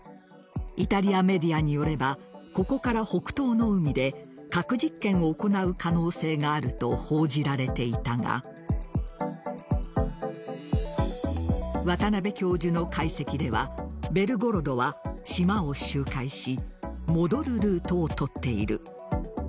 イタリアメディアによればここから北東の海で核実験を行う可能性があると報じられていたが渡邉教授の解析では「ベルゴロド」は島を周回し戻るルートを取っている。